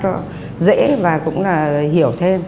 rất là dễ và cũng là hiểu thêm